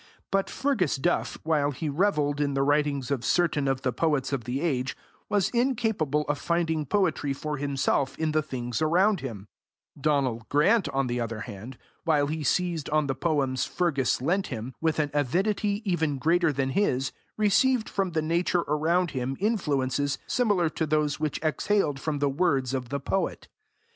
But Fergus Duff, while he revelled in the writings of certain of the poets of the age, was incapable of finding poetry for himself in the things around him: Donal Grant, on the other hand, while he seized on the poems Fergus lent him, with an avidity even greater than his, received from the nature around him influences similar to those which exhaled from the words of the poet.